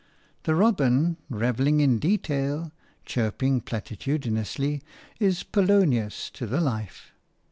The robin, revelling in detail, chirping platitudinously, is Polonius to the life.